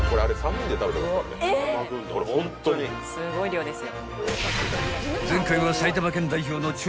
・すごい量ですよ。